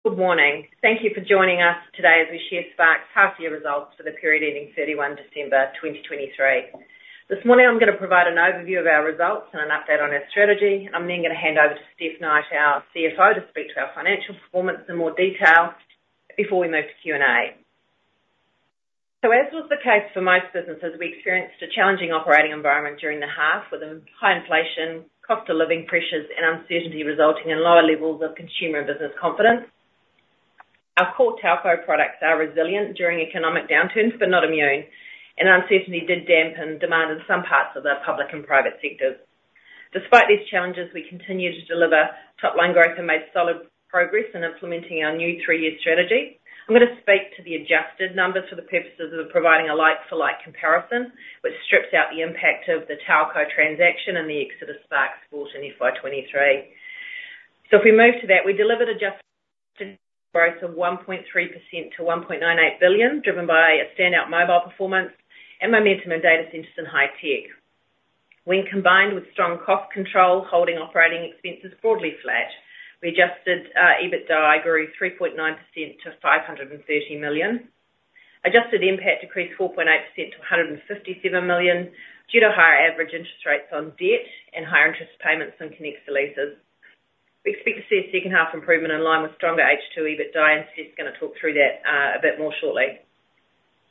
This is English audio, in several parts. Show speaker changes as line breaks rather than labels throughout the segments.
Good morning. Thank you for joining us today as we share Spark's half-year results for the period ending 31 December 2023. This morning I'm going to provide an overview of our results and an update on our strategy, and I'm then going to hand over to Stefan Knight, our CFO, to speak to our financial performance in more detail before we move to Q&A. So as was the case for most businesses, we experienced a challenging operating environment during the half with high inflation, cost-of-living pressures, and uncertainty resulting in lower levels of consumer and business confidence. Our core telco products are resilient during economic downturns but not immune, and uncertainty did dampen demand in some parts of the public and private sectors. Despite these challenges, we continue to deliver top-line growth and made solid progress in implementing our new three-year strategy. I'm going to speak to the adjusted numbers for the purposes of providing a like-for-like comparison, which strips out the NPAT of the telco transaction and the exit of Spark Sport in FY 2023. So if we move to that, we delivered adjusted growth of 1.3% to 1.98 billion, driven by a standout mobile performance and momentum in data centers and high-tech. When combined with strong cost control, holding operating expenses broadly flat. Our adjusted EBITDAI grew 3.9% to 530 million. Adjusted NPAT decreased 4.8% to 157 million due to higher average interest rates on debt and higher interest payments on finance leases. We expect to see a second-half improvement in line with stronger H2 EBITDAI, and Stef's going to talk through that a bit more shortly.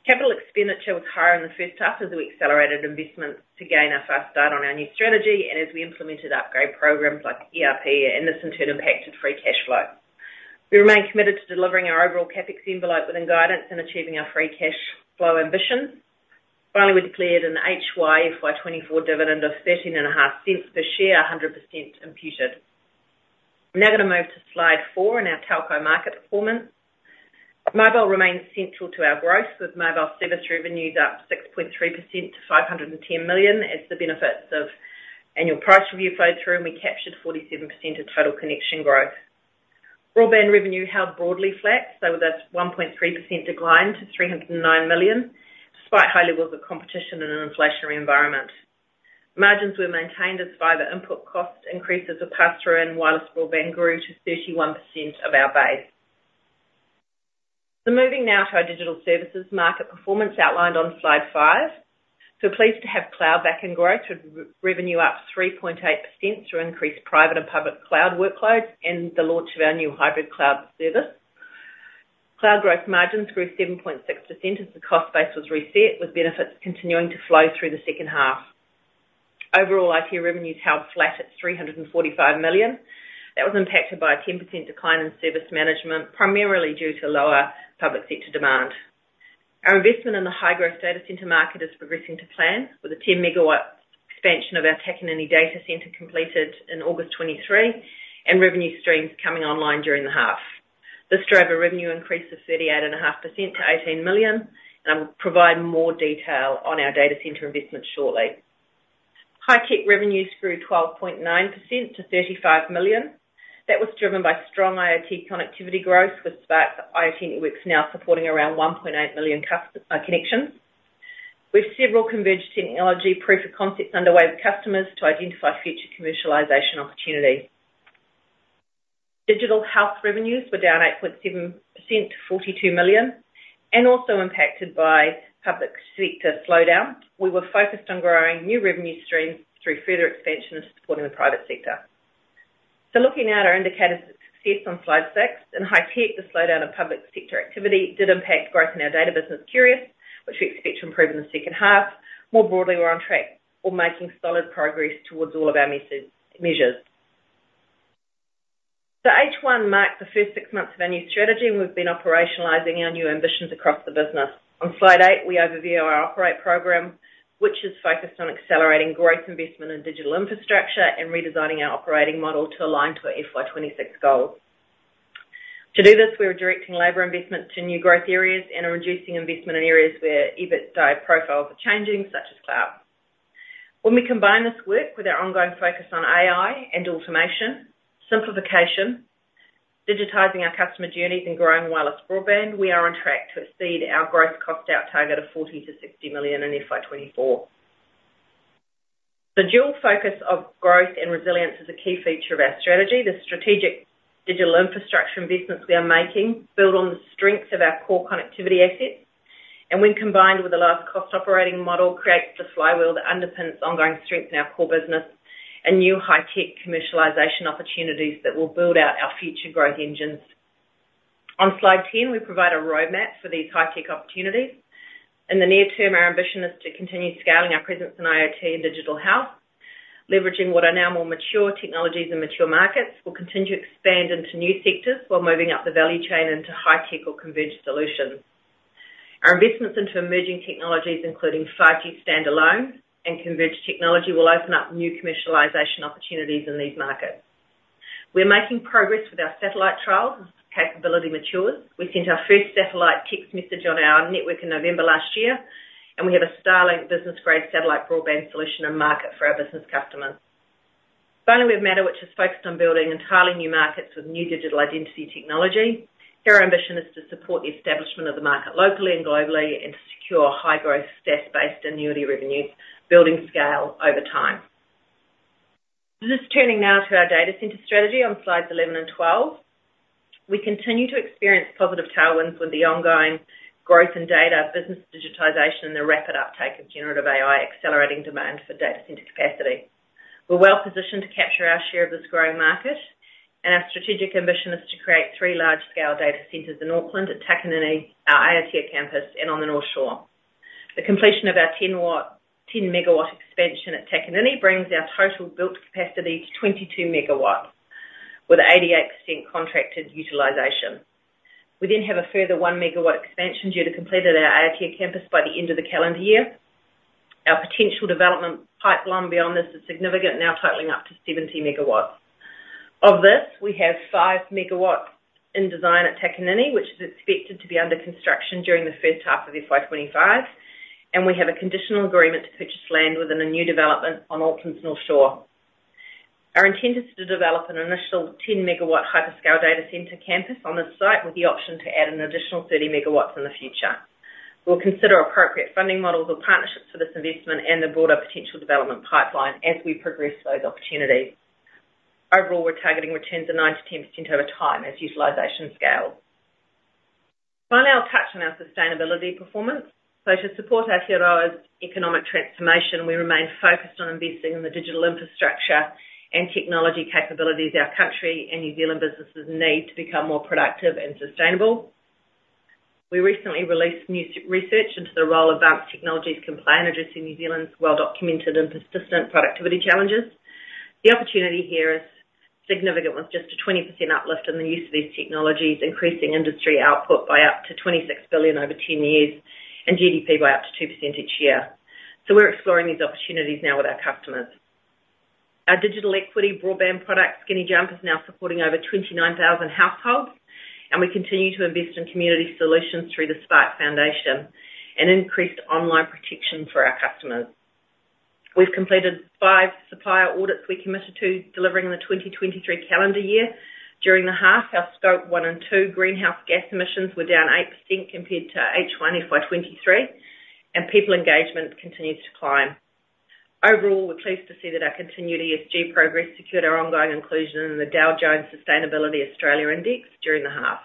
Capital expenditure was higher in the first half as we accelerated investments to gain a fast start on our new strategy and as we implemented upgrade programs like ERP, and this in turn impacted free cash flow. We remain committed to delivering our overall CapEx envelope within guidance and achieving our free cash flow ambitions. Finally, we declared an HY FY 2024 dividend of 0.135 per share, 100% imputed. I'm now going to move to slide four and our telco market performance. Mobile remains central to our growth with mobile service revenues up 6.3% to 510 million as the benefits of annual price review flowed through, and we captured 47% of total connection growth. Broadband revenue held broadly flat, so with a 1.3% decline to 309 million despite high levels of competition in an inflationary environment. Margins were maintained as fiber input cost increases were passed through and wireless broadband grew to 31% of our base. Moving now to our digital services market performance outlined on slide five. Pleased to have cloud backing growth with revenue up 3.8% through increased private and public cloud workloads and the launch of our new hybrid cloud service. Cloud gross margins grew 7.6% as the cost base was reset, with benefits continuing to flow through the second half. Overall, IT revenues held flat at 345 million. That was impacted by a 10% decline in service management, primarily due to lower public sector demand. Our investment in the high-growth data center market is progressing to plan with a 10-MW expansion of our Takanini data center completed in August 2023 and revenue streams coming online during the half. Data centre revenue increased 38.5% to 18 million, and I will provide more detail on our data center investment shortly. High-tech revenues grew 12.9% to 35 million. That was driven by strong IoT connectivity growth with Spark's IoT Networks now supporting around 1.8 million connections. We have several converged technology proof of concepts underway with customers to identify future commercialization opportunities. Digital health revenues were down 8.7% to 42 million, and also impacted by public sector slowdown. We were focused on growing new revenue streams through further expansion and supporting the private sector. So looking at our indicators of success on slide six, in high-tech, the slowdown of public sector activity did impact growth in our data business Qrious, which we expect to improve in the second half. More broadly, we're on track or making solid progress towards all of our measures. So H1 marked the first six months of our new strategy, and we've been operationalizing our new ambitions across the business. On slide eight, we overview our operate programme, which is focused on accelerating growth investment in digital infrastructure and redesigning our operating model to align to our FY 2026 goals. To do this, we were directing labour investment to new growth areas and are reducing investment in areas where EBITDAI profiles are changing, such as cloud. When we combine this work with our ongoing focus on AI and automation, simplification, digitizing our customer journeys, and growing wireless broadband, we are on track to exceed our growth cost out target of 40 million-60 million in FY 2024. The dual focus of growth and resilience is a key feature of our strategy. The strategic digital infrastructure investments we are making build on the strengths of our core connectivity assets, and when combined with the lowest cost operating model, creates the flywheel that underpins ongoing strength in our core business and new high-tech commercialization opportunities that will build out our future growth engines. On slide 10, we provide a roadmap for these high-tech opportunities. In the near term, our ambition is to continue scaling our presence in IoT and digital health. Leveraging what are now more mature technologies and mature markets, we'll continue to expand into new sectors while moving up the value chain into high-tech or converged solutions. Our investments into emerging technologies, including 5G Standalone and converged technology, will open up new commercialization opportunities in these markets. We're making progress with our satellite trials as capability matures. We sent our first satellite text message on our network in November last year, and we have a Starlink business-grade satellite broadband solution in market for our business customers. Finally, we have MATTR, which is focused on building entirely new markets with new digital identity technology. Our ambition is to support the establishment of the market locally and globally and to secure high-growth, stress-based annuity revenues, building scale over time. This is turning now to our data center strategy on slides 11 and 12. We continue to experience positive tailwinds with the ongoing growth in data, business digitisation, and the rapid uptake of generative AI accelerating demand for data center capacity. We're well positioned to capture our share of this growing market, and our strategic ambition is to create three large-scale data centers in Auckland, at Takanini, our IoT campus, and on the North Shore. The completion of our 10-MW expansion at Takanini brings our total built capacity to 22 MW with 88% contracted utilization. We then have a further 1-MW expansion due to completing our IoT campus by the end of the calendar year. Our potential development pipeline beyond this is significant, now totaling up to 70 MW. Of this, we have 5 MW in design at Takanini, which is expected to be under construction during the first half of FY 2025, and we have a conditional agreement to purchase land within a new development on Auckland's North Shore. Our intent is to develop an initial 10-MW hyperscale data center campus on this site with the option to add an additional 30 MW in the future. We'll consider appropriate funding models or partnerships for this investment and the broader potential development pipeline as we progress those opportunities. Overall, we're targeting returns of 9%-10% over time as utilization scales. Finally, I'll touch on our sustainability performance. So to support our Aotearoa's economic transformation, we remain focused on investing in the digital infrastructure and technology capabilities our country and New Zealand businesses need to become more productive and sustainable. We recently released new research into the role of advanced technologies can play in addressing New Zealand's well-documented and persistent productivity challenges. The opportunity here is significant, with just a 20% uplift in the use of these technologies, increasing industry output by up to 26 billion over 10 years and GDP by up to 2% each year. So we're exploring these opportunities now with our customers. Our digital equity broadband product, Skinny Jump, is now supporting over 29,000 households, and we continue to invest in community solutions through the Spark Foundation and increased online protection for our customers. We've completed five supplier audits we committed to delivering in the 2023 calendar year. During the half, our scope one and two greenhouse gas emissions were down 8% compared to H1 FY 2023, and people engagement continues to climb. Overall, we're pleased to see that our continued ESG progress secured our ongoing inclusion in the Dow Jones Sustainability Australia Index during the half.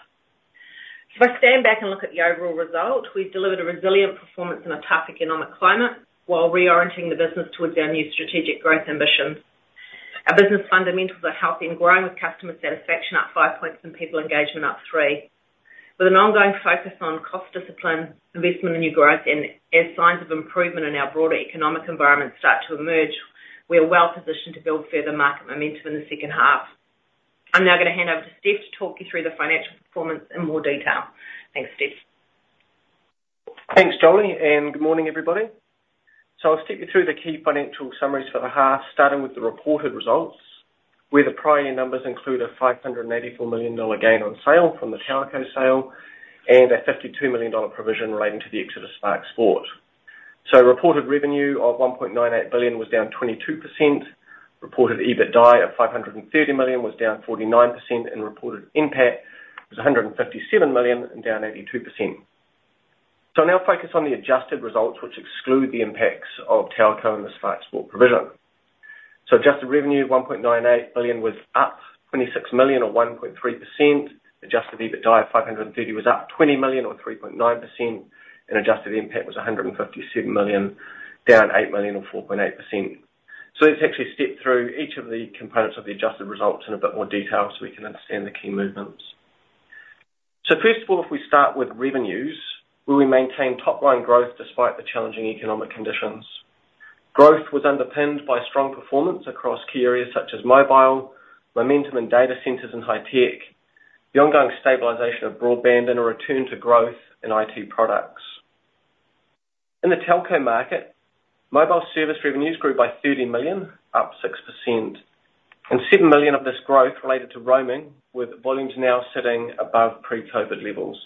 So if I stand back and look at the overall result, we've delivered a resilient performance in a tough economic climate while reorienting the business towards our new strategic growth ambitions. Our business fundamentals are healthy and growing, with customer satisfaction up five points and people engagement up three. With an ongoing focus on cost discipline, investment in new growth, and as signs of improvement in our broader economic environment start to emerge, we are well positioned to build further market momentum in the second half. I'm now going to hand over to Stef to talk you through the financial performance in more detail. Thanks, Stef.
Thanks, Jolie, and good morning, everybody. I'll step you through the key financial summaries for the half, starting with the reported results, where the prior year numbers include a 584 million dollar gain on sale from the telco sale and a 52 million dollar provision relating to the exit of Spark Sport. Reported revenue of 1.98 billion was down 22%. Reported EBITDAI of 530 million was down 49%, and reported NPAT was 157 million and down 82%. I'll now focus on the adjusted results, which exclude the NPATs of telco and the Spark Sport provision. Adjusted revenue, 1.98 billion, was up 26 million or 1.3%. Adjusted EBITDAI of 530 was up 20 million or 3.9%, and adjusted NPAT was 157 million, down 8 million or 4.8%. So let's actually step through each of the components of the adjusted results in a bit more detail so we can understand the key movements. So first of all, if we start with revenues, will we maintain top-line growth despite the challenging economic conditions? Growth was underpinned by strong performance across key areas such as mobile, momentum in data centers and high-tech, the ongoing stabilisation of broadband, and a return to growth in IT products. In the telco market, mobile service revenues grew by 30 million, up 6%, and 7 million of this growth related to roaming, with volumes now sitting above pre-COVID levels.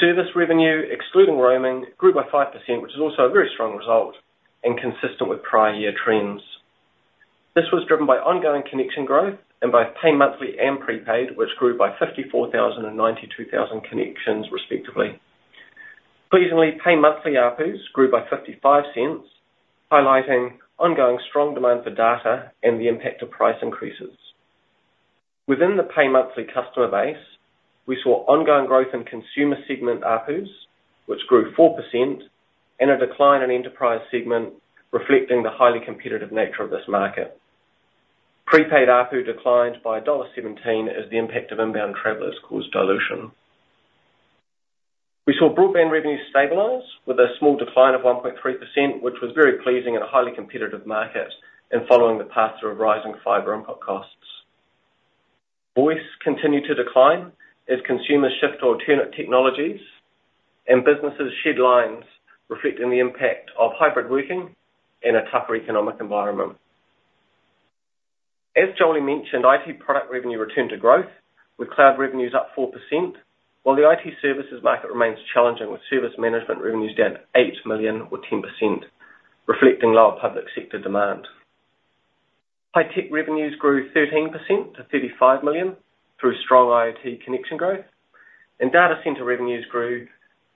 Service revenue, excluding roaming, grew by 5%, which is also a very strong result and consistent with prior year trends. This was driven by ongoing connection growth in both pay-monthly and prepaid, which grew by 54,000 and 92,000 connections, respectively. Pleasingly, pay-monthly ARPUs grew by 0.55, highlighting ongoing strong demand for data and the impact of price increases. Within the pay-monthly customer base, we saw ongoing growth in consumer segment ARPUs, which grew 4%, and a decline in enterprise segment reflecting the highly competitive nature of this market. Prepaid ARPU declined by dollar 1.17 as the impact of inbound travelers caused dilution. We saw broadband revenues stabilize with a small decline of 1.3%, which was very pleasing in a highly competitive market and following the path through of rising fiber input costs. Voice continued to decline as consumers shift to alternate technologies and businesses shed lines, reflecting the impact of hybrid working in a tougher economic environment. As Jolie mentioned, IT product revenue returned to growth, with cloud revenues up 4%, while the IT services market remains challenging, with service management revenues down 8 million or 10%, reflecting lower public sector demand. High-tech revenues grew 13% to 35 million through strong IoT connection growth, and data center revenues grew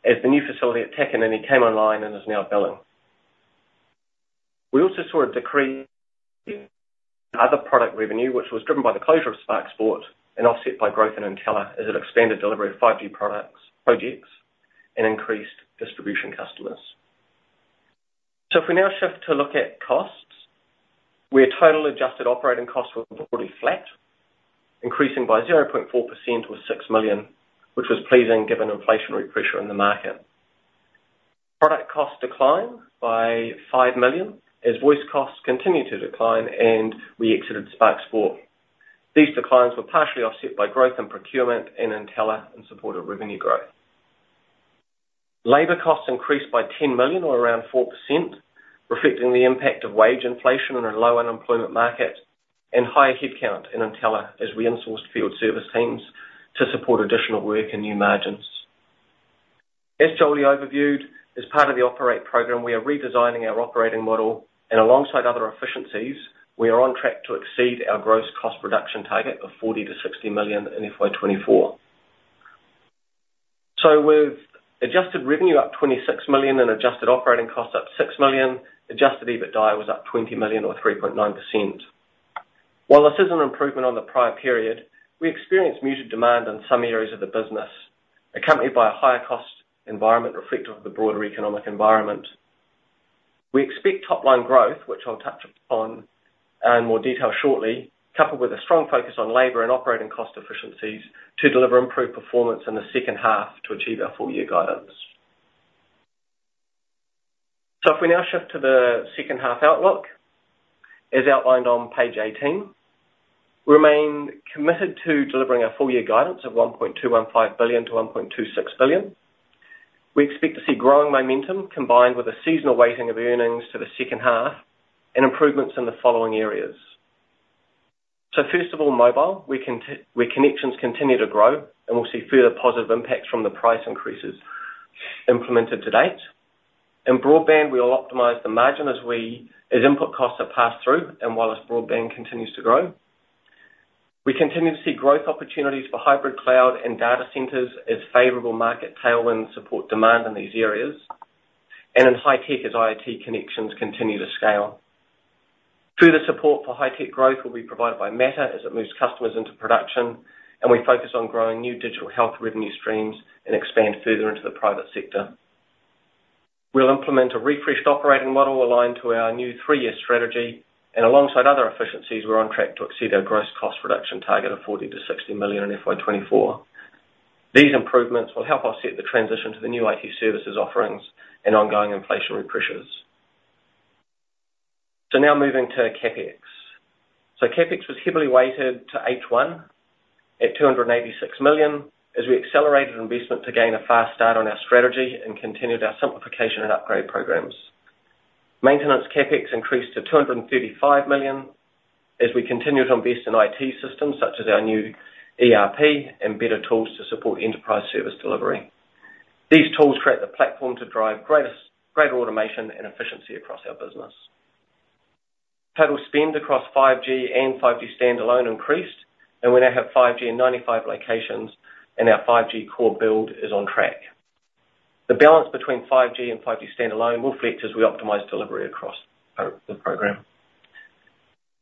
as the new facility at Takanini came online and is now billing. We also saw a decrease in other product revenue, which was driven by the closure of Spark Sport and offset by growth in Entelar as it expanded delivery of 5G projects and increased distribution customers. So if we now shift to look at costs, where total adjusted operating costs were broadly flat, increasing by 0.4% to 6 million, which was pleasing given inflationary pressure in the market. Product costs declined by 5 million as voice costs continued to decline and we exited Spark Sport. These declines were partially offset by growth in procurement in Entelar and supported revenue growth. Labor costs increased by 10 million or around 4%, reflecting the impact of wage inflation in a low unemployment market and higher headcount in Entelar as we insourced field service teams to support additional work and new margins. As Jolie overviewed, as part of the operate program, we are redesigning our operating model, and alongside other efficiencies, we are on track to exceed our gross cost reduction target of 40 million-60 million in FY 2024. With adjusted revenue up 26 million and adjusted operating costs up 6 million, adjusted EBITDAI was up 20 million or 3.9%. While this is an improvement on the prior period, we experienced muted demand in some areas of the business, accompanied by a higher cost environment reflective of the broader economic environment. We expect top-line growth, which I'll touch upon in more detail shortly, coupled with a strong focus on labor and operating cost efficiencies to deliver improved performance in the second half to achieve our full-year guidance. So if we now shift to the second half outlook, as outlined on page 18, we remain committed to delivering our full-year guidance of 1.215 billion-1.26 billion. We expect to see growing momentum combined with a seasonal weighting of earnings to the second half and improvements in the following areas. So first of all, mobile, where connections continue to grow and we'll see further positive impacts from the price increases implemented to date. In broadband, we will optimize the margin as input costs are passed through and while broadband continues to grow. We continue to see growth opportunities for hybrid cloud and data centers as favorable market tailwinds support demand in these areas, and in high-tech as IoT connections continue to scale. Further support for high-tech growth will be provided by MATTR as it moves customers into production, and we focus on growing new digital health revenue streams and expand further into the private sector. We'll implement a refreshed operating model aligned to our new three-year strategy, and alongside other efficiencies, we're on track to exceed our gross cost reduction target of 40 million-60 million in FY 2024. These improvements will help offset the transition to the new IT services offerings and ongoing inflationary pressures. So now moving to CapEx. So CapEx was heavily weighted to H1 at 286 million as we accelerated investment to gain a fast start on our strategy and continued our simplification and upgrade programs. Maintenance CapEx increased to 235 million as we continued to invest in IT systems such as our new ERP and better tools to support enterprise service delivery. These tools create the platform to drive greater automation and efficiency across our business. Total spend across 5G and 5G Standalone increased, and we now have 5G in 95 locations, and our 5G core build is on track. The balance between 5G and 5G Standalone will flip as we optimize delivery across the program.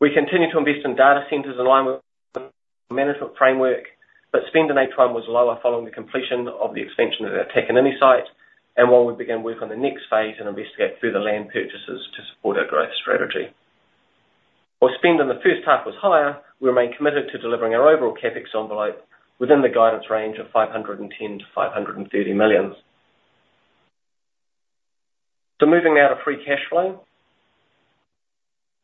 We continue to invest in data centers in line with the management framework, but spend in H1 was lower following the completion of the expansion of our Takanini site and while we begin work on the next phase and investigate further land purchases to support our growth strategy. While spend in the first half was higher, we remain committed to delivering our overall CapEx envelope within the guidance range of 510 million-530 million. Moving now to free cash flow.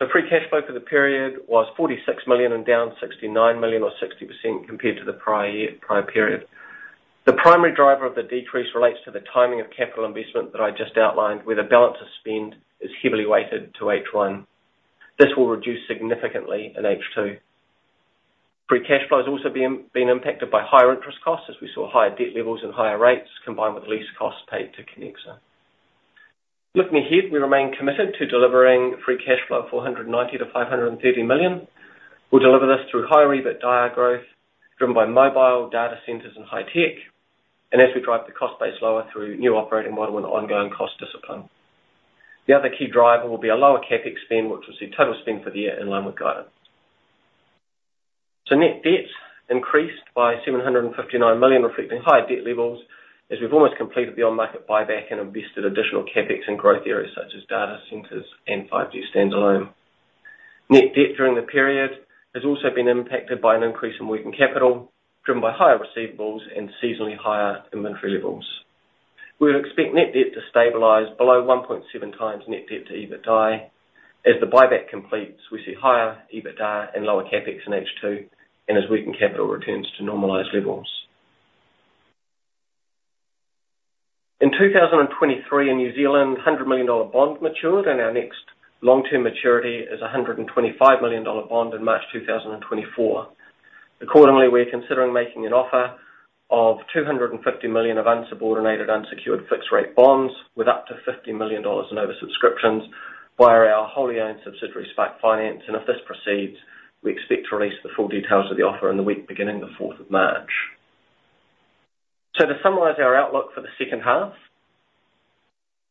Free cash flow for the period was 46 million and down 69 million or 60% compared to the prior year, prior period. The primary driver of the decrease relates to the timing of capital investment that I just outlined, where the balance of spend is heavily weighted to H1. This will reduce significantly in H2. Free cash flow has also been impacted by higher interest costs as we saw higher debt levels and higher rates combined with lease costs paid to Connexa. Looking ahead, we remain committed to delivering free cash flow of 490 million-530 million. We'll deliver this through higher EBITDAI growth driven by mobile, data centers, and high-tech, and as we drive the cost base lower through new operating model and ongoing cost discipline. The other key driver will be a lower CapEx spend, which will see total spend for the year in line with guidance. So net debt increased by 759 million, reflecting higher debt levels as we've almost completed the on-market buyback and invested additional CapEx in growth areas such as data centers and 5G Standalone. Net debt during the period has also been impacted by an increase in working capital driven by higher receivables and seasonally higher inventory levels. We would expect net debt to stabilize below 1.7x net debt to EBITDAI. As the buyback completes, we see higher EBITDAI and lower CapEx in H2, and as working capital returns to normalized levels. In 2023 in New Zealand, 100 million New Zealand dollars bond matured, and our next long-term maturity is a 125 million dollar bond in March 2024. Accordingly, we are considering making an offer of 250 million of unsubordinated unsecured fixed-rate bonds with up to 50 million dollars in oversubscriptions via our wholly owned subsidiary Spark Finance, and if this proceeds, we expect to release the full details of the offer in the week beginning the 4th of March. So to summarise our outlook for the second half,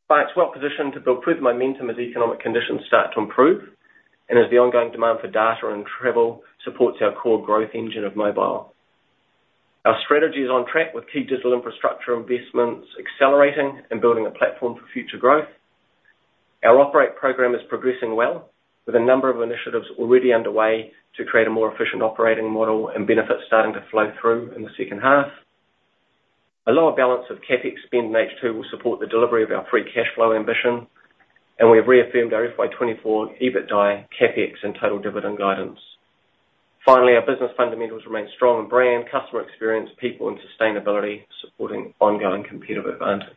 Spark is well positioned to build further momentum as economic conditions start to improve and as the ongoing demand for data and travel supports our core growth engine of mobile. Our strategy is on track with key digital infrastructure investments accelerating and building a platform for future growth. Our operate programme is progressing well, with a number of initiatives already underway to create a more efficient operating model and benefits starting to flow through in the second half. A lower balance of CapEx spend in H2 will support the delivery of our free cash flow ambition, and we have reaffirmed our FY 2024 EBITDAI, CapEx, and total dividend guidance. Finally, our business fundamentals remain strong in brand, customer experience, people, and sustainability, supporting ongoing competitive advantage.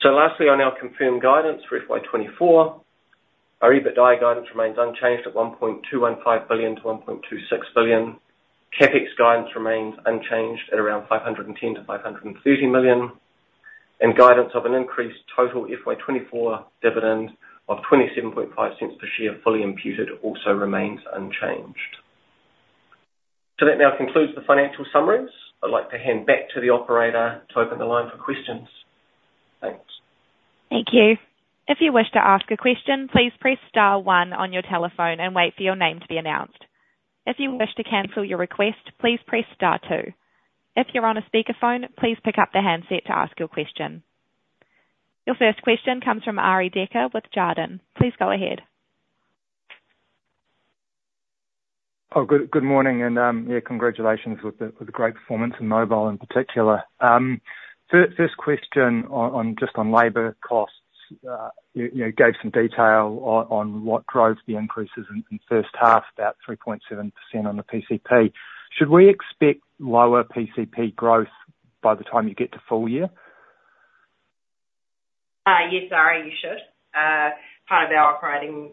So lastly, on our confirmed guidance for FY 2024, our EBITDAI guidance remains unchanged at 1.215 billion-1.26 billion. CapEx guidance remains unchanged at around 510 million-530 million, and guidance of an increased total FY 2024 dividend of 0.275 per share fully imputed also remains unchanged. So that now concludes the financial summaries. I'd like to hand back to the operator to open the line for questions. Thanks.
Thank you. If you wish to ask a question, please press star one on your telephone and wait for your name to be announced. If you wish to cancel your request, please press star two. If you're on a speakerphone, please pick up the handset to ask your question. Your first question comes from Arie Dekker with Jarden. Please go ahead.
Oh, good morning. Yeah, congratulations with the great performance in mobile in particular. First question just on labor costs. You gave some detail on what drove the increases in first half, about 3.7% on the PCP. Should we expect lower PCP growth by the time you get to full year?
Yes, Ari, you should. Part of our operating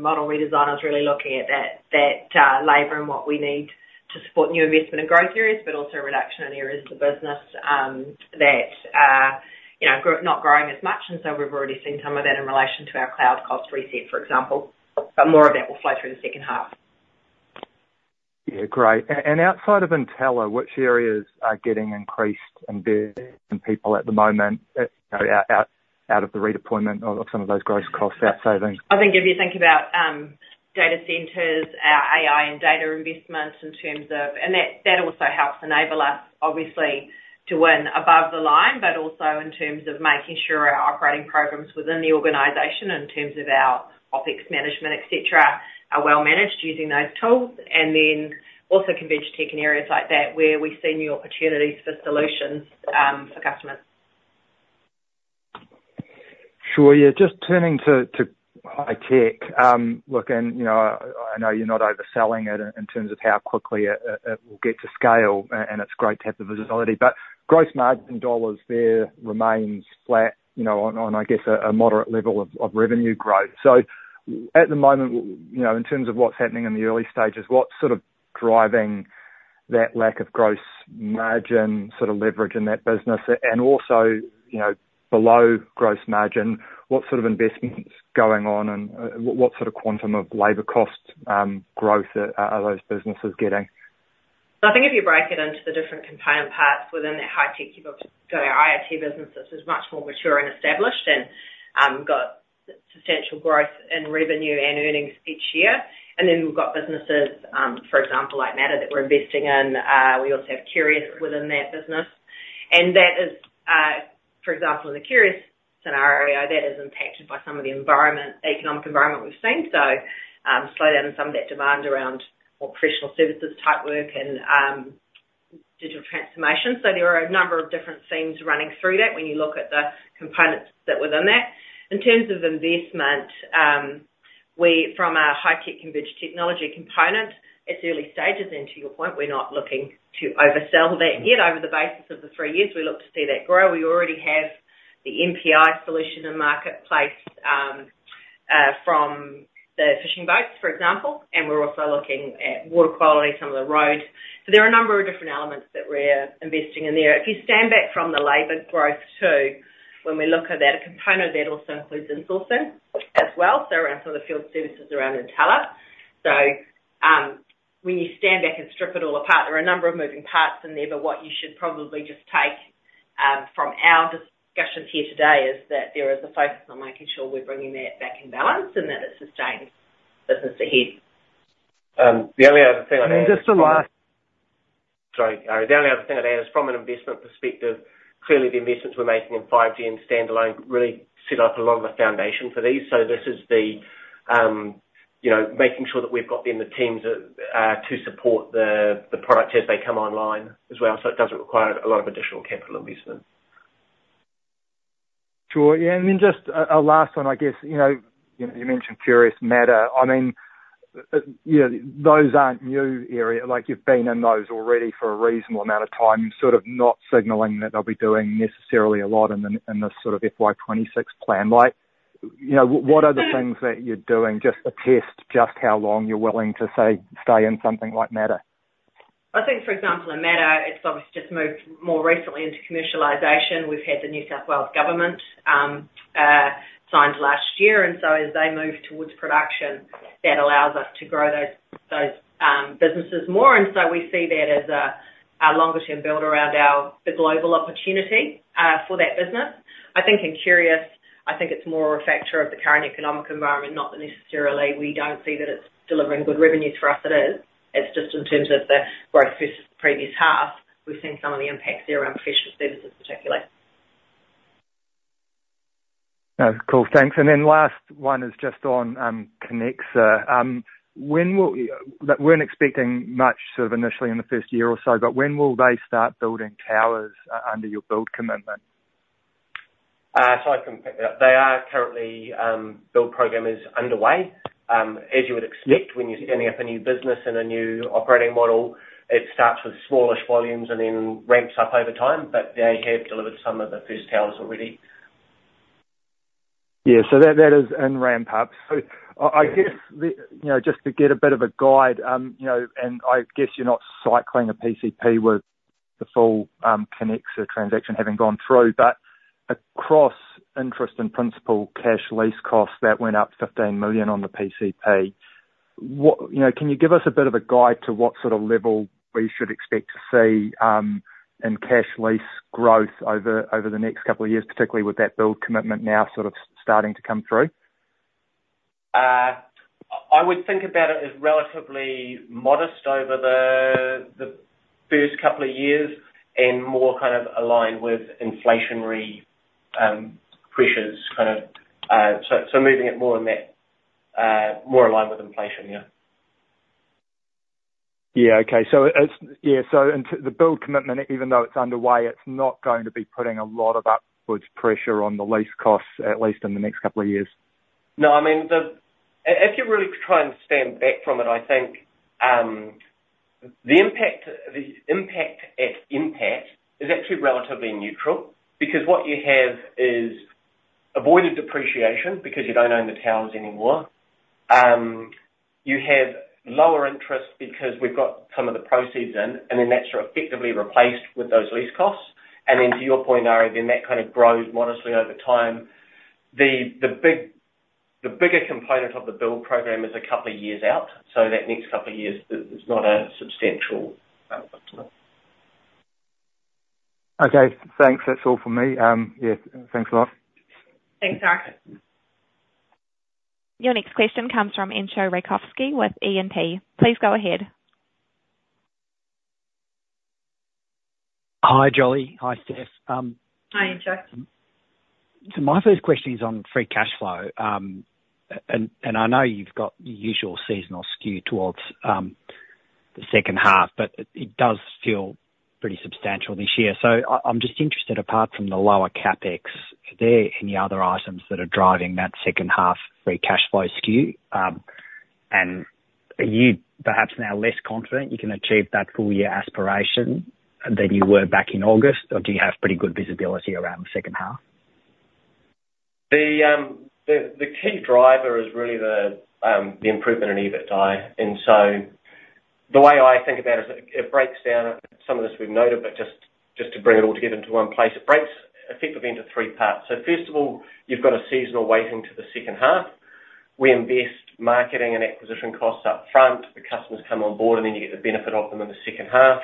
model redesign is really looking at that labour and what we need to support new investment in growth areas, but also a reduction in areas of the business that are not growing as much. And so we've already seen some of that in relation to our cloud cost reset, for example. But more of that will flow through the second half.
Yeah, great. And outside of Entelar, which areas are getting increased in people at the moment out of the redeployment of some of those gross costs out savings?
I think if you think about data centers, our AI and data investment in terms of and that also helps enable us, obviously, to win above the line, but also in terms of making sure our operating programs within the organization in terms of our OpEx management, etc., are well managed using those tools. And then also converged tech in areas like that where we see new opportunities for solutions for customers.
Sure. Yeah, just turning to high-tech. Look, and I know you're not overselling it in terms of how quickly it will get to scale, and it's great to have the visibility. But gross margin dollars, there remains flat on, I guess, a moderate level of revenue growth. So at the moment, in terms of what's happening in the early stages, what's sort of driving that lack of gross margin sort of leverage in that business? And also below gross margin, what sort of investments going on and what sort of quantum of labour cost growth are those businesses getting?
So I think if you break it into the different component parts within the high-tech IoT businesses, there's much more mature and established and got substantial growth in revenue and earnings each year. And then we've got businesses, for example, like MATTR that we're investing in. We also have Qrious within that business. And for example, in the Qrious scenario, that is impacted by some of the economic environment we've seen, so slow down some of that demand around more professional services type work and digital transformation. So there are a number of different themes running through that when you look at the components that were in that. In terms of investment, from a high-tech converged technology component, it's early stages. And to your point, we're not looking to oversell that yet. Over the basis of the three years, we look to see that grow. We already have the MPI solution in marketplace from the fishing boats, for example, and we're also looking at water quality, some of the road. So there are a number of different elements that we're investing in there. If you stand back from the labor growth too, when we look at that, a component of that also includes insourcing as well, so around some of the field services around Entelar. So when you stand back and strip it all apart, there are a number of moving parts in there, but what you should probably just take from our discussions here today is that there is a focus on making sure we're bringing that back in balance and that it sustains business ahead.
The only other thing I'd add is from.
Just the last.
Sorry, Arie. The only other thing I'd add is from an investment perspective, clearly the investments we're making in 5G and standalone really set up a lot of the foundation for these. So this is the making sure that we've got then the teams to support the product as they come online as well, so it doesn't require a lot of additional capital investment.
Sure. Yeah, I mean, just a last one, I guess. You mentioned Qrious, MATTR. I mean, those aren't new area. You've been in those already for a reasonable amount of time, sort of not signalling that they'll be doing necessarily a lot in this sort of FY 2026 plan. What are the things that you're doing just to test just how long you're willing to, say, stay in something like MATTR?
I think, for example, in MATTR, it's obviously just moved more recently into commercialization. We've had the New South Wales government signed last year. And so as they move towards production, that allows us to grow those businesses more. And so we see that as a longer-term build around the global opportunity for that business. I think in Qrious, I think it's more a factor of the current economic environment, not that necessarily we don't see that it's delivering good revenues for us. It is. It's just in terms of the growth versus the previous half, we've seen some of the impacts there around professional services particularly.
That's cool. Thanks. And then last one is just on Connexa. We're not expecting much sort of initially in the first year or so, but when will they start building towers under your build commitment?
So I can pick that up. They are currently build programs underway. As you would expect, when you're standing up a new business and a new operating model, it starts with smallish volumes and then ramps up over time, but they have delivered some of the first towers already.
Yeah, so that is in ramp-up. So I guess just to get a bit of a guide, and I guess you're not cycling a PCP with the full Connexa transaction having gone through, but across interest and principal, cash lease costs, that went up 15 million on the PCP. Can you give us a bit of a guide to what sort of level we should expect to see in cash lease growth over the next couple of years, particularly with that build commitment now sort of starting to come through?
I would think about it as relatively modest over the first couple of years and more kind of aligned with inflationary pressures, kind of. So moving it more aligned with inflation, yeah.
Yeah, okay. So yeah, so the build commitment, even though it's underway, it's not going to be putting a lot of upwards pressure on the lease costs, at least in the next couple of years.
No, I mean, if you really try and stand back from it, I think the impact at impact is actually relatively neutral because what you have is avoided depreciation because you don't own the towers anymore. You have lower interest because we've got some of the proceeds in, and then that's sort of effectively replaced with those lease costs. And then to your point, Arie, then that kind of grows modestly over time. The bigger component of the build program is a couple of years out, so that next couple of years, it's not a substantial benefit to it.
Okay, thanks. That's all from me. Yeah, thanks a lot.
Thanks, Arie.
Your next question comes from Entcho Raykovski with E&P. Please go ahead.
Hi, Jolie. Hi, Stef.
Hi, Entcho.
My first question is on free cash flow. I know you've got your usual seasonal skew towards the second half, but it does feel pretty substantial this year. I'm just interested, apart from the lower CapEx, are there any other items that are driving that second-half free cash flow skew? Are you perhaps now less confident you can achieve that full-year aspiration than you were back in August, or do you have pretty good visibility around the second half?
The key driver is really the improvement in EBITDAI. And so the way I think about it is it breaks down some of this we've noted, but just to bring it all together into one place, it breaks effectively into three parts. So first of all, you've got a seasonal weighting to the second half. We invest marketing and acquisition costs upfront. The customers come on board, and then you get the benefit of them in the second half.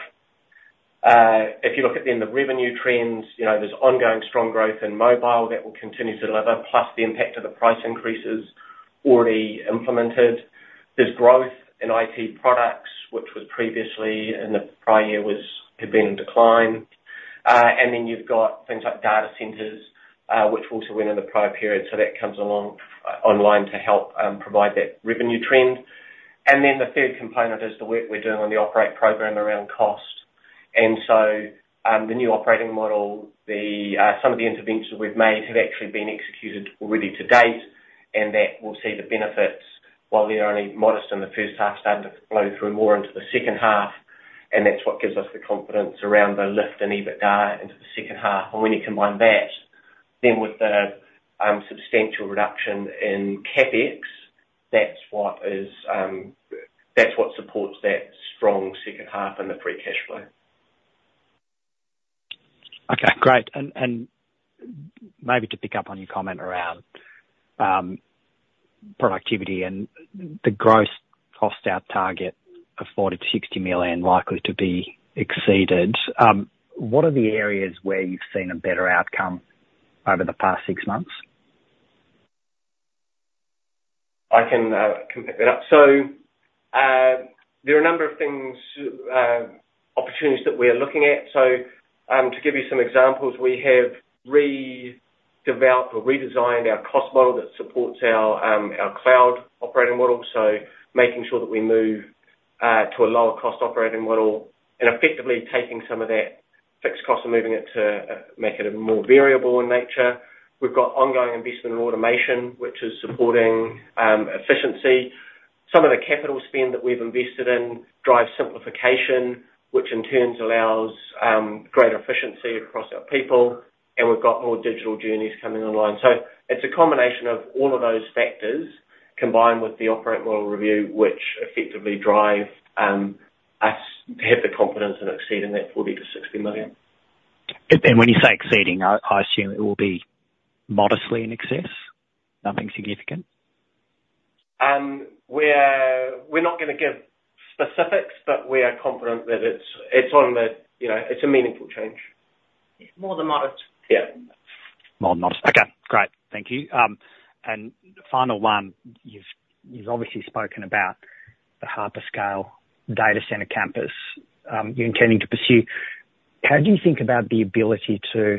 If you look at then the revenue trends, there's ongoing strong growth in mobile that will continue to deliver, plus the impact of the price increases already implemented. There's growth in IT products, which previously in the prior year had been in decline. And then you've got things like data centers, which also went in the prior period. So that comes along online to help provide that revenue trend. And then the third component is the work we're doing on the operate program around cost. And so the new operating model, some of the interventions we've made have actually been executed already to date, and that will see the benefits, while they're only modest in the first half, starting to flow through more into the second half. And that's what gives us the confidence around the lift in EBITDAI into the second half. And when you combine that then with the substantial reduction in CapEx, that's what supports that strong second half and the free cash flow.
Okay, great. Maybe to pick up on your comment around productivity and the gross cost out target of 40 million-60 million likely to be exceeded, what are the areas where you've seen a better outcome over the past six months?
I can pick that up. There are a number of things, opportunities that we are looking at. To give you some examples, we have redeveloped or redesigned our cost model that supports our cloud operating model, so making sure that we move to a lower-cost operating model and effectively taking some of that fixed cost and moving it to make it more variable in nature. We've got ongoing investment in automation, which is supporting efficiency. Some of the capital spend that we've invested in drives simplification, which in turn allows greater efficiency across our people. And we've got more digital journeys coming online. It's a combination of all of those factors combined with the operating model review, which effectively drive us to have the confidence in exceeding that 40 million-60 million.
When you say exceeding, I assume it will be modestly in excess, nothing significant?
We're not going to give specifics, but we are confident that it's a meaningful change.
More the modest.
Yeah.
More the modest. Okay, great. Thank you. Final one, you've obviously spoken about the Hyperscale data center campus you're intending to pursue. How do you think about the ability to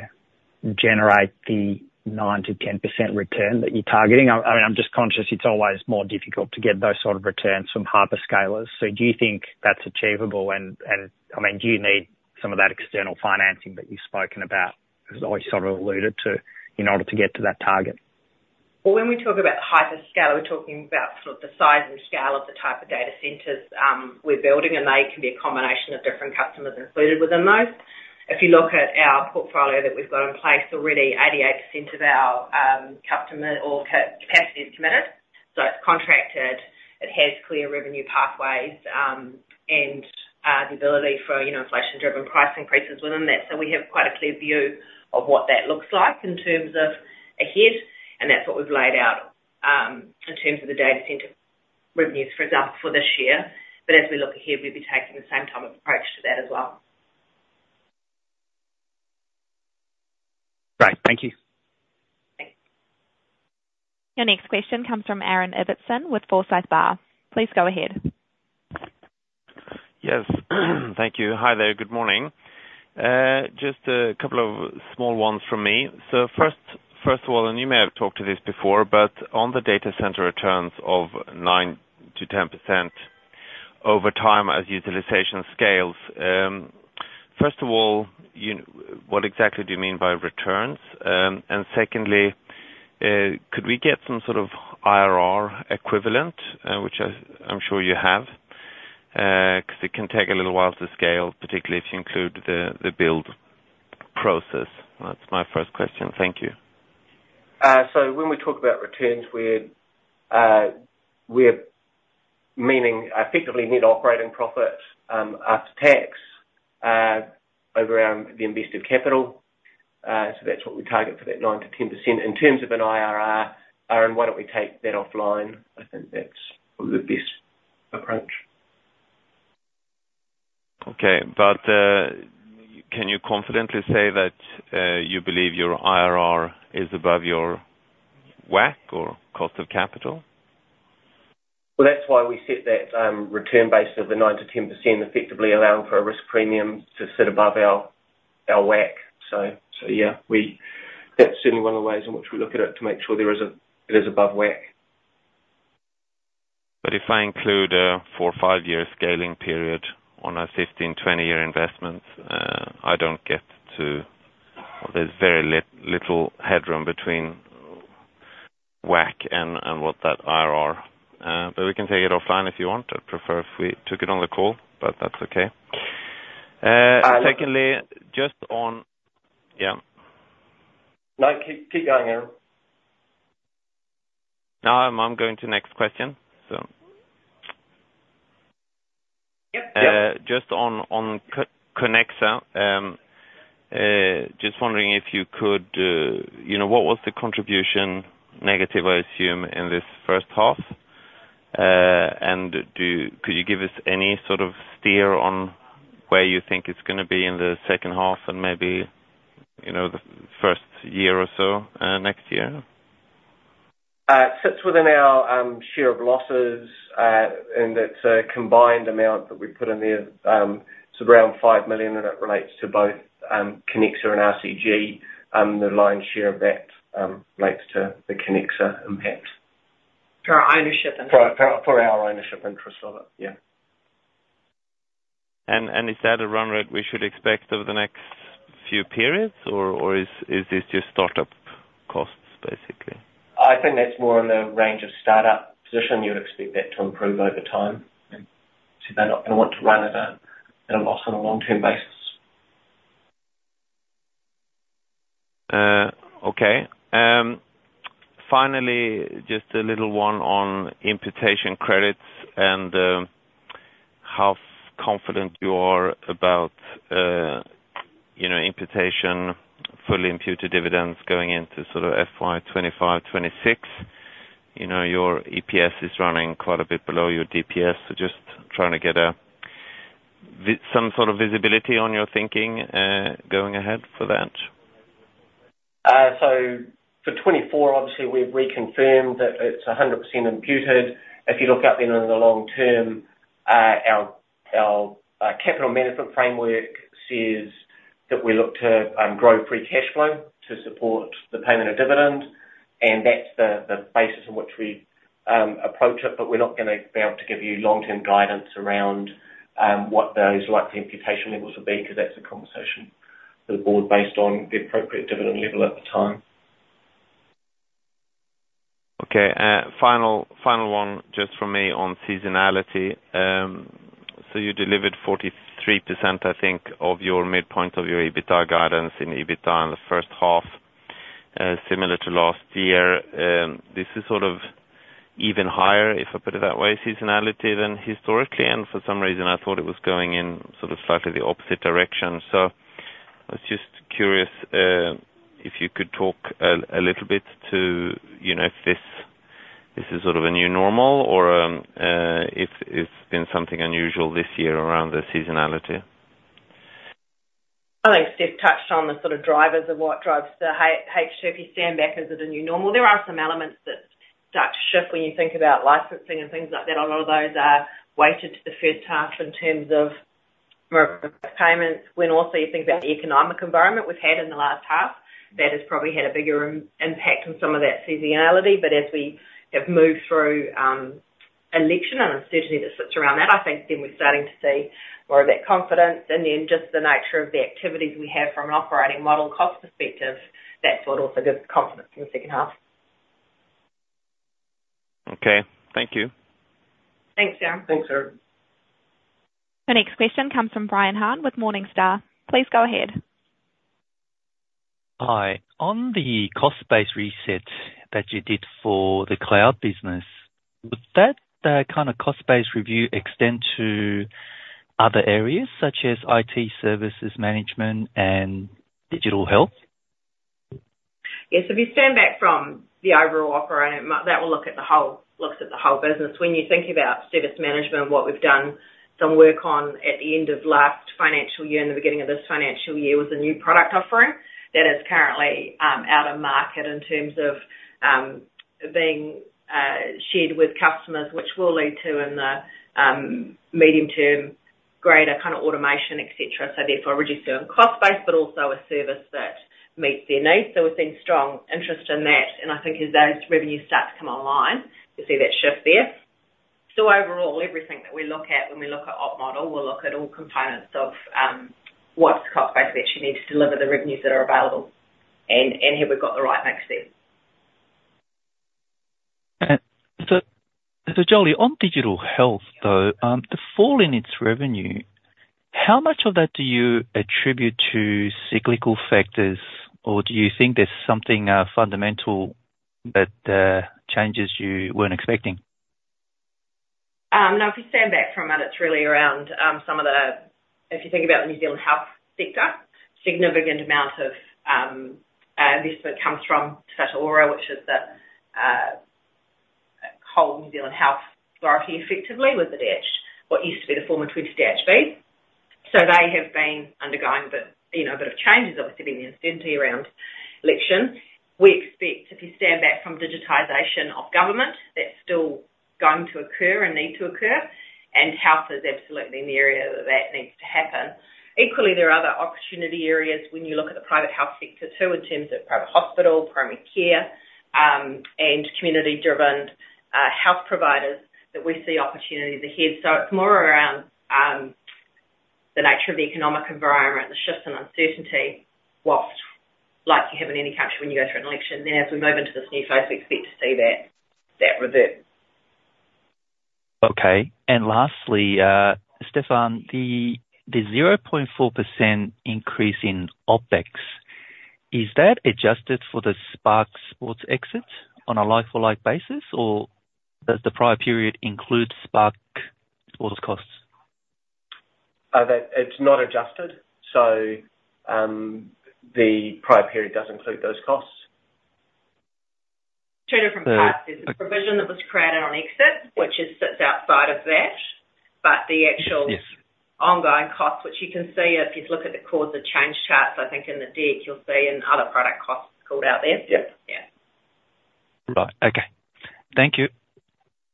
generate the 9%-10% return that you're targeting? I mean, I'm just conscious it's always more difficult to get those sort of returns from hyperscalers. So do you think that's achievable? And I mean, do you need some of that external financing that you've spoken about? It was always sort of alluded to in order to get to that target.
Well, when we talk about hyperscale, we're talking about sort of the size and scale of the type of data centers we're building, and they can be a combination of different customers included within those. If you look at our portfolio that we've got in place already, 88% of our customer or capacity is committed. So it's contracted. It has clear revenue pathways and the ability for inflation-driven price increases within that. So we have quite a clear view of what that looks like in terms of ahead. And that's what we've laid out in terms of the data center revenues, for example, for this year. But as we look ahead, we'll be taking the same type of approach to that as well.
Great. Thank you.
Thanks.
Your next question comes from Aaron Ibbotson with Forsyth Barr. Please go ahead.
Yes, thank you. Hi there. Good morning. Just a couple of small ones from me. So first of all, and you may have talked to this before, but on the data center returns of 9%-10% over time as utilization scales, first of all, what exactly do you mean by returns? And secondly, could we get some sort of IRR equivalent, which I'm sure you have, because it can take a little while to scale, particularly if you include the build process? That's my first question. Thank you.
When we talk about returns, we're meaning effectively net operating profit after tax over around the invested capital. That's what we target for that 9%-10%. In terms of an IRR, Aaron, why don't we take that offline? I think that's probably the best approach.
Okay, but can you confidently say that you believe your IRR is above your WACC or cost of capital?
Well, that's why we set that return base of the 9%-10%, effectively allowing for a risk premium to sit above our WACC. So yeah, that's certainly one of the ways in which we look at it to make sure it is above WACC.
But if I include a four-year or five-year scaling period on our 15-year or 20-year investments, I don't get to well, there's very little headroom between WACC and what that IRR is. But we can take it offline if you want. I'd prefer if we took it on the call, but that's okay. Secondly, just on yeah.
No, keep going, Aaron.
No, I'm going to next question, so.
Yep, yep.
Just on Connexa, just wondering if you could what was the contribution negative, I assume, in this first half? And could you give us any sort of steer on where you think it's going to be in the second half and maybe the first year or so next year?
It sits within our share of losses, and it's a combined amount that we put in there. It's around 5 million, and it relates to both Connexa and RCG. The line share of that relates to the Connexa impact.
For our ownership interest.
For our ownership interest of it, yeah.
Is that a run rate we should expect over the next few periods, or is this just startup costs, basically?
I think that's more in the range of startup position. You would expect that to improve over time. So they're not going to want to run at a loss on a long-term basis.
Okay. Finally, just a little one on imputation credits and how confident you are about imputation, fully imputed dividends going into sort of FY 2025, FY 2026. Your EPS is running quite a bit below your DPS, so just trying to get some sort of visibility on your thinking going ahead for that.
So for 2024, obviously, we've reconfirmed that it's 100% imputed. If you look up then on the long term, our capital management framework says that we look to grow free cash flow to support the payment of dividend, and that's the basis in which we approach it. But we're not going to be able to give you long-term guidance around what those likely imputation levels would be because that's a conversation for the board based on the appropriate dividend level at the time.
Okay, final one just from me on seasonality. So you delivered 43%, I think, of your midpoint of your EBITDAI guidance in EBITDAI in the first half, similar to last year. This is sort of even higher, if I put it that way, seasonality than historically. And for some reason, I thought it was going in sort of slightly the opposite direction. So I was just curious if you could talk a little bit to if this is sort of a new normal or if it's been something unusual this year around the seasonality.
I think Stef touched on the sort of drivers of what drives the H2P standbacks as a new normal. There are some elements that start to shift when you think about licensing and things like that. A lot of those are weighted to the first half in terms of more of the payments. When also you think about the economic environment we've had in the last half, that has probably had a bigger impact on some of that seasonality. But as we have moved through election and uncertainty that sits around that, I think then we're starting to see more of that confidence. And then just the nature of the activities we have from an operating model cost perspective, that's what also gives confidence in the second half.
Okay, thank you.
Thanks, Aaron.
Thanks, Aaron.
Your next question comes from Brian Han with Morningstar. Please go ahead.
Hi. On the cost-based reset that you did for the cloud business, would that kind of cost-based review extend to other areas such as IT services management and digital health?
Yes. If you stand back from the overall operating that will look at the whole business. When you think about service management and what we've done some work on at the end of last financial year and the beginning of this financial year was a new product offering that is currently out of market in terms of being shared with customers, which will lead to, in the medium term, greater kind of automation, etc. So therefore, reducing cost-based but also a service that meets their needs. So we're seeing strong interest in that. And I think as those revenues start to come online, you'll see that shift there. Overall, everything that we look at when we look at OpEx model, we'll look at all components of what's cost-based that you need to deliver the revenues that are available, and have we got the right mix there?
Jolie, on digital health, though, the fall in its revenue, how much of that do you attribute to cyclical factors, or do you think there's something fundamental that changes you weren't expecting?
No, if you stand back from it, it's really around some of the—if you think about the New Zealand health sector—significant amount of this that comes from Te Whatu Ora, which is the whole New Zealand health authority, effectively, with the DHB, what used to be the former 20 DHBs. So they have been undergoing a bit of changes, obviously, being the uncertainty around election. We expect, if you stand back from digitisation of government, that's still going to occur and need to occur. And health is absolutely in the area that that needs to happen. Equally, there are other opportunity areas when you look at the private health sector, too, in terms of private hospital, primary care, and community-driven health providers that we see opportunities ahead. So it's more around the nature of the economic environment, the shift in uncertainty, while, like you have in any country when you go through an election, then as we move into this new phase, we expect to see that revert.
Okay. Lastly, Stefan, the 0.4% increase in OpEx, is that adjusted for the Spark Sports exit on a life-for-life basis, or does the prior period include Spark Sports costs?
It's not adjusted. The prior period does include those costs.
Provision from past is a provision that was accrued on exit, which sits outside of that. But the actual ongoing costs, which you can see if you look at the causes of change charts, I think in the deck, you'll see in other product costs called out there.
Yeah.
Right. Okay. Thank you.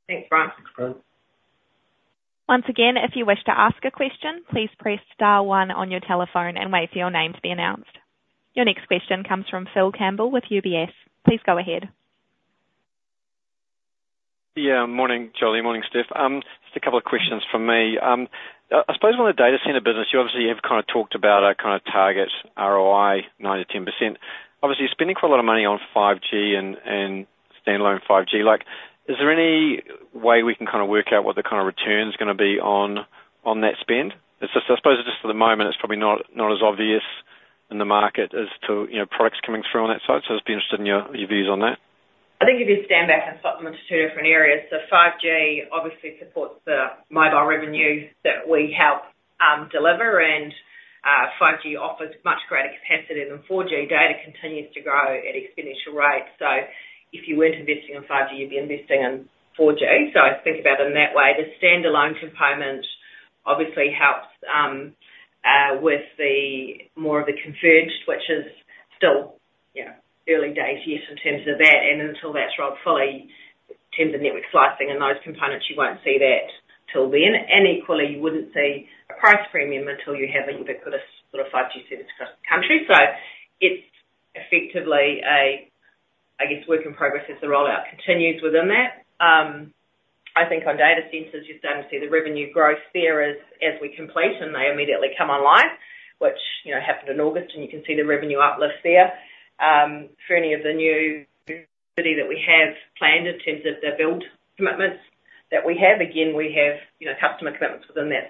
Thanks, Brian.
Thanks, Brian.
Once again, if you wish to ask a question, please press star one on your telephone and wait for your name to be announced. Your next question comes from Phil Campbell with UBS. Please go ahead.
Yeah, morning, Jolie. Morning, Stef. Just a couple of questions from me. I suppose on the data center business, you obviously have kind of talked about a kind of target ROI, 9%-10%. Obviously, you're spending quite a lot of money on 5G and standalone 5G. Is there any way we can kind of work out what the kind of return's going to be on that spend? I suppose just for the moment, it's probably not as obvious in the market as to products coming through on that side. So I'd just be interested in your views on that.
I think if you stand back and sort them into two different areas. So 5G obviously supports the mobile revenue that we help deliver, and 5G offers much greater capacity than 4G. Data continues to grow at exponential rates. So if you weren't investing in 5G, you'd be investing in 4G. So think about it in that way. The standalone component, obviously, helps with more of the converged, which is still early days yet in terms of that. And until that's rolled fully, in terms of network slicing and those components, you won't see that till then. And equally, you wouldn't see a price premium until you have a ubiquitous sort of 5G service across the country. So it's effectively a, I guess, work in progress as the rollout continues within that. I think on data centers, you're starting to see the revenue growth there as we complete, and they immediately come online, which happened in August, and you can see the revenue uplift there. For any of the new builds that we have planned in terms of the build commitments that we have, again, we have customer commitments within that.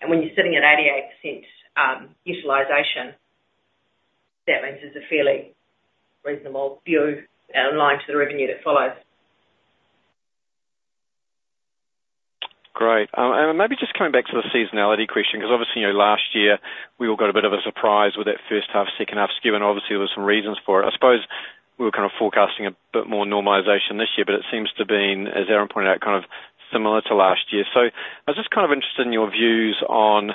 And when you're sitting at 88% utilization, that means there's a fairly reasonable view in line to the revenue that follows.
Great. And maybe just coming back to the seasonality question because obviously, last year, we all got a bit of a surprise with that first half, second half skew, and obviously, there were some reasons for it. I suppose we were kind of forecasting a bit more normalization this year, but it seems to have been, as Aaron pointed out, kind of similar to last year. So I was just kind of interested in your views on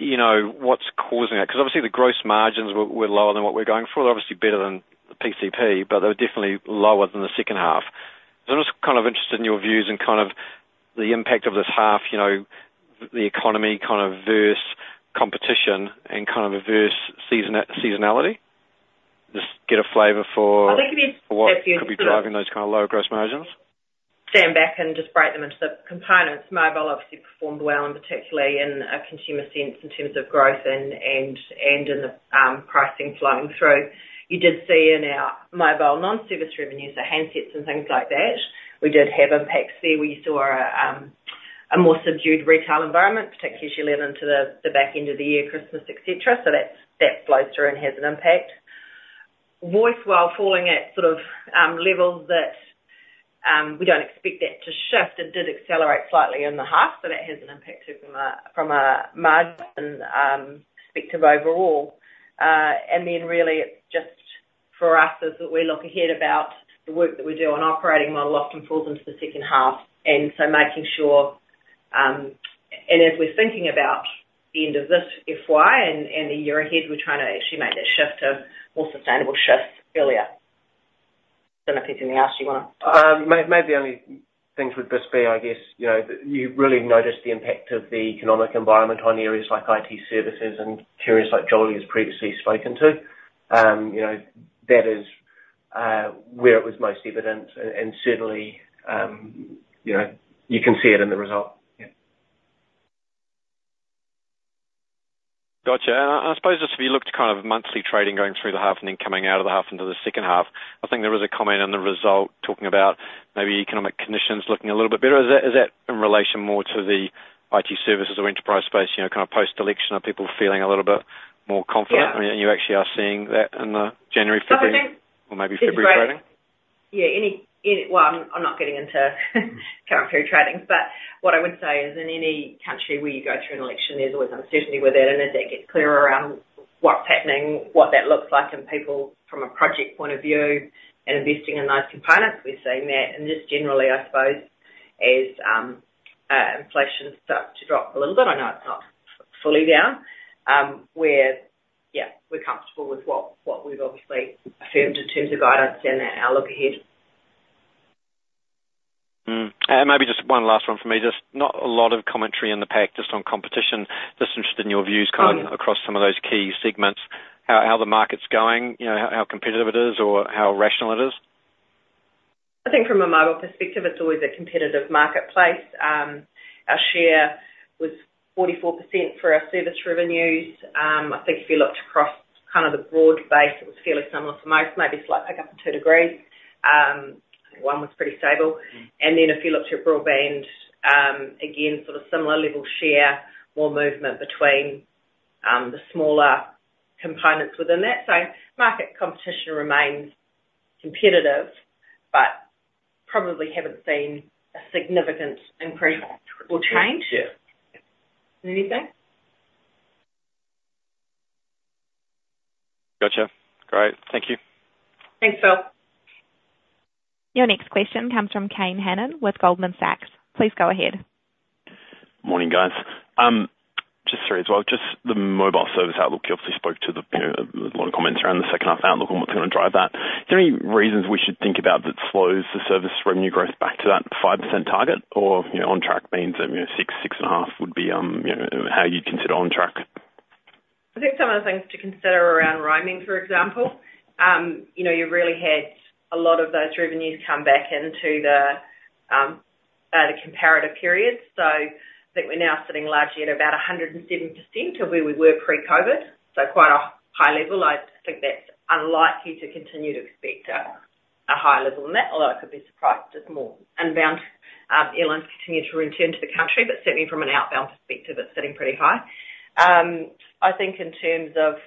what's causing that because obviously, the gross margins were lower than what we're going for. They're obviously better than the PCP, but they were definitely lower than the second half. So I'm just kind of interested in your views and kind of the impact of this half, the economy kind of versus competition and kind of versus seasonality. Just get a flavor for what.
I think it could be driving those kind of lower gross margins. Stand back and just break them into the components. Mobile, obviously, performed well, and particularly in a consumer sense in terms of growth and in the pricing flowing through. You did see in our mobile non-service revenues, the handsets and things like that, we did have impacts there where you saw a more subdued retail environment, particularly as you lean into the back end of the year, Christmas, etc. So that flows through and has an impact. Voice, while falling at sort of levels that we don't expect that to shift, it did accelerate slightly in the half, so that has an impact from a margin perspective overall. And then really, it's just for us as we look ahead about the work that we do on operating model, often falls into the second half. And so making sure and as we're thinking about the end of this FY and the year ahead, we're trying to actually make that shift to more sustainable shifts earlier. I don't know if there's anything else you want to.
Maybe the only things would just be, I guess, you really notice the impact of the economic environment on areas like IT services and areas like Jolie has previously spoken to. That is where it was most evident. And certainly, you can see it in the result. Yeah.
Gotcha. And I suppose just if you looked to kind of monthly trading going through the half and then coming out of the half into the second half, I think there was a comment in the result talking about maybe economic conditions looking a little bit better. Is that in relation more to the IT services or enterprise space, kind of post-election, are people feeling a little bit more confident? And you actually are seeing that in the January, February, or maybe February trading?
Yeah. Well, I'm not getting into current period tradings. But what I would say is in any country where you go through an election, there's always uncertainty with it. And as that gets clearer around what's happening, what that looks like and people from a project point of view and investing in those components, we're seeing that. And just generally, I suppose, as inflation starts to drop a little bit - I know it's not fully down - yeah, we're comfortable with what we've obviously affirmed in terms of guidance and our look ahead.
Maybe just one last one from me. Just not a lot of commentary in the pack, just on competition. Just interested in your views kind of across some of those key segments, how the market's going, how competitive it is, or how rational it is.
I think from a mobile perspective, it's always a competitive marketplace. Our share was 44% for our service revenues. I think if you looked across kind of the broad base, it was fairly similar for most, maybe slight pickup in 2degrees. One was pretty stable. And then if you looked at broadband, again, sort of similar level share, more movement between the smaller components within that. So market competition remains competitive, but probably haven't seen a significant increase or change in anything.
Gotcha. Great. Thank you.
Thanks, Phil.
Your next question comes from Kane Hannan with Goldman Sachs. Please go ahead.
Morning, guys. Just sorry as well. Just the mobile service outlook, you obviously spoke to a lot of comments around the second half outlook on what's going to drive that. Is there any reasons we should think about that slows the service revenue growth back to that 5% target, or on track means that 6, 6 and a half would be how you'd consider on track?
I think some of the things to consider around roaming, for example. You really had a lot of those revenues come back into the comparative period. So I think we're now sitting largely at about 107% of where we were pre-COVID, so quite a high level. I think that's unlikely to continue to expect a high level than that, although I could be surprised if more inbound airlines continue to return to the country. But certainly, from an outbound perspective, it's sitting pretty high. I think in terms of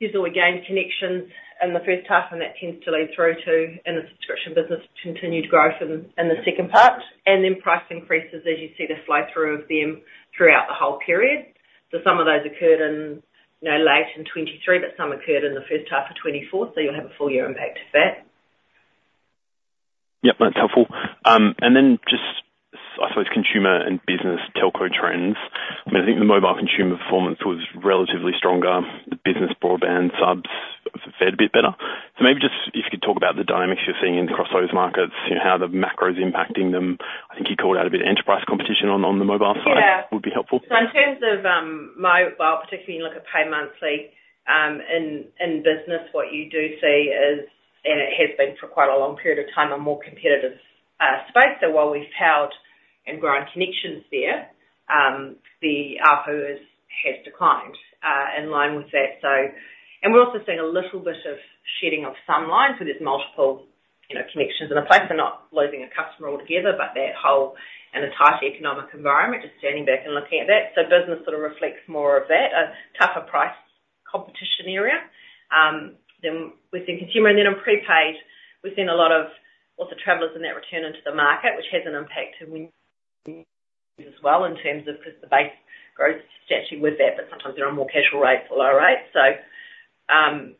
you've always gained connections in the first half, and that tends to lead through to in the subscription business continued growth in the second part. And then price increases as you see the flow-through of them throughout the whole period. So some of those occurred late in 2023, but some occurred in the first half of 2024. So you'll have a full-year impact of that.
Yep. That's helpful. And then just, I suppose, consumer and business telco trends. I mean, I think the mobile consumer performance was relatively stronger. The business broadband subs fared a bit better. So maybe just if you could talk about the dynamics you're seeing across those markets, how the macro's impacting them. I think you called out a bit of enterprise competition on the mobile side would be helpful.
Yeah. So in terms of mobile, particularly when you look at pay monthly, in business, what you do see is and it has been for quite a long period of time a more competitive space. So while we've powered and grown connections there, the ARPU has declined in line with that. And we're also seeing a little bit of shedding of some lines where there's multiple connections in a place. They're not losing a customer altogether, but that whole entirety economic environment, just standing back and looking at that. So business sort of reflects more of that, a tougher price competition area than we've seen consumer. And then on prepaid, we've seen a lot of travellers returning to the market, which has an impact to wins as well in terms of because the base growth status quo was there, but sometimes they're on more casual rates or lower rates. And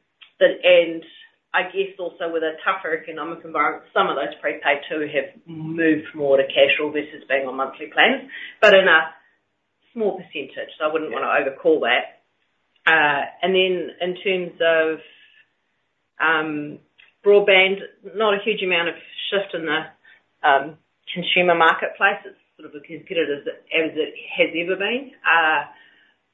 I guess also with a tougher economic environment, some of those prepaid, too, have moved more to casual versus being on monthly plans, but in a small percentage. So I wouldn't want to overcall that. And then in terms of broadband, not a huge amount of shift in the consumer marketplace. It's sort of as competitive as it has ever been.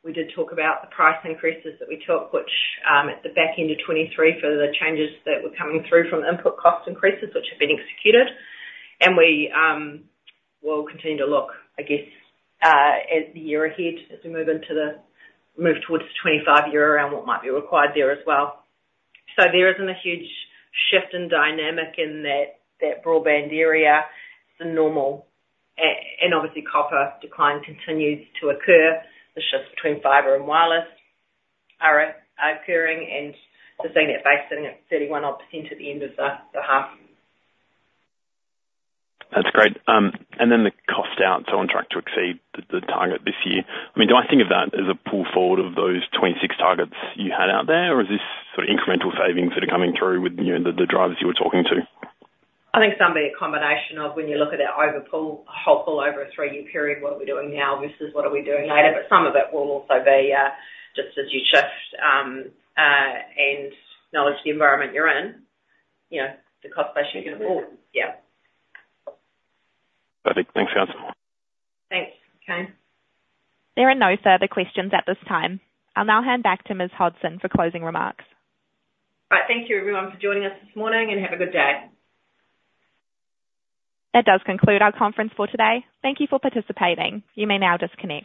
We did talk about the price increases that we took, which at the back end of 2023 for the changes that were coming through from input cost increases, which have been executed. And we will continue to look, I guess, as the year ahead as we move towards the 2025 year around what might be required there as well. So there isn't a huge shift in dynamic in that broadband area. It's the normal. And obviously, copper decline continues to occur. The shifts between fiber and wireless are occurring. And just seeing that base sitting at 31 odd percent at the end of the half.
That's great. And then the cost out. So on track to exceed the target this year. I mean, do I think of that as a pull forward of those 26 targets you had out there, or is this sort of incremental savings that are coming through with the drivers you were talking to?
I think it'll be a combination of when you look at that whole pool over a three-year period, what are we doing now versus what are we doing later. But some of it will also be just as you shift, and knowledge of the environment you're in, the cost basis you're going to pull. Yeah.
Perfect. Thanks, guys.
Thanks, Kane.
There are no further questions at this time. I'll now hand back to Ms. Hodson for closing remarks.
All right. Thank you, everyone, for joining us this morning, and have a good day.
That does conclude our conference for today. Thank you for participating. You may now disconnect.